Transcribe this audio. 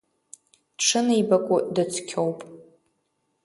Дшынеибакәу дыцқьоуп.